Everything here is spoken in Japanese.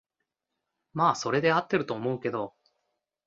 まあそれで合ってると思うけど